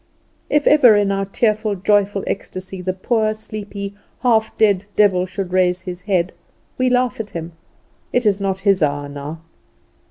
If ever, in our tearful, joyful ecstasy, the poor, sleepy, half dead devil should raise his head, we laugh at him. It is not his hour now.